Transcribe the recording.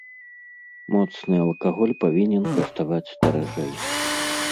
Моцны алкаголь павінен каштаваць даражэй.